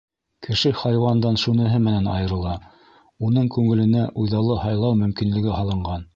Кеше хайуандан шуныһы менән айырыла: уның күңеленә үҙаллы һайлау мөмкинлеге һалынған.